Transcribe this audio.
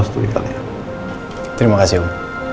terima kasih um